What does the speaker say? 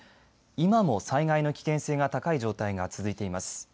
今も災害の危険性が高い状態が続いています。